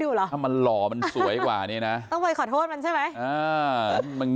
เหรอถ้ามันหล่อมันสวยกว่านี้นะต้องไปขอโทษมันใช่ไหม